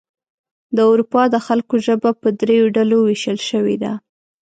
د اروپا د خلکو ژبه په دریو ډلو ویشل شوې ده.